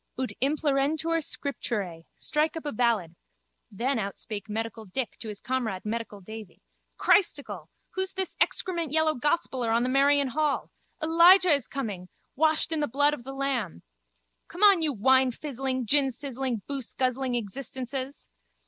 Pflaap! Ut implerentur scripturae. Strike up a ballad. Then outspake medical Dick to his comrade medical Davy. Christicle, who's this excrement yellow gospeller on the Merrion hall? Elijah is coming! Washed in the blood of the Lamb. Come on you winefizzling, ginsizzling, booseguzzling existences!